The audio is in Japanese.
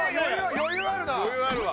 余裕あるわ。